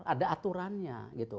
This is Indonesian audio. ada aturannya gitu